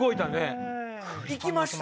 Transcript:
いきました？